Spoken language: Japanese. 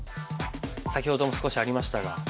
先ほども少しありましたが。